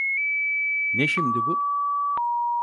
Ne şimdi bu?